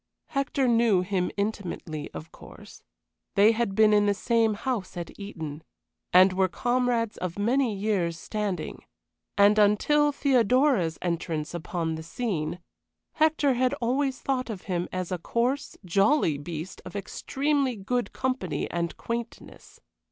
Hector knew him intimately, of course; they had been in the same house at Eton, and were comrades of many years' standing, and until Theodora's entrance upon the scene, Hector had always thought of him as a coarse, jolly beast of extremely good company and quaintness.